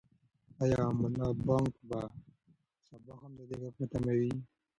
آیا ملا بانګ به سبا هم د دې غږ په تمه وي؟